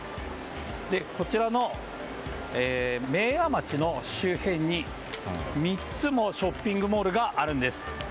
こちらの明和町の周辺に３つもショッピングモールがあるんです。